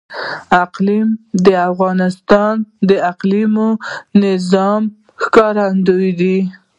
اقلیم د افغانستان د اقلیمي نظام ښکارندوی ده.